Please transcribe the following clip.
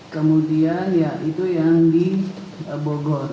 kemudian ya itu yang di bogor